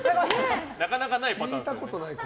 なかなかないパターンですよ。